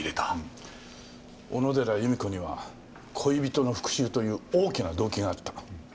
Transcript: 小野寺由美子には恋人の復讐という大きな動機があった。